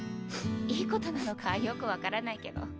いいことなのかよく分からないけど。